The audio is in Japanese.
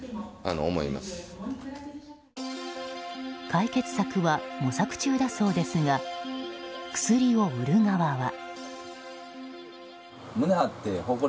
解決策は模索中だそうですが薬を売る側は。